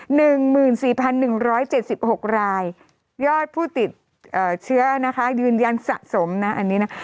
หนึ่งหมื่นสี่พันหนึ่งร้อยเจ็ดสิบหกรายยอดผู้ติดเอ่อเชื้อนะคะยืนยันสะสมนะอันนี้นะ